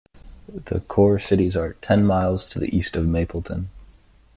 The core cities are ten miles to the east of Mapleton.